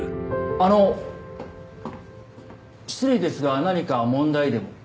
あの失礼ですが何か問題でも？